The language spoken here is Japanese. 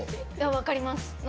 分かります。